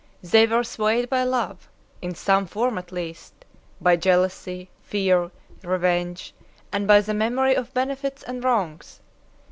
They were swayed by love, in some form at least, by jealousy, fear, revenge, and by the memory of benefits and wrongs.